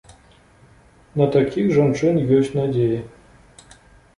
На такіх жанчын ёсць надзея.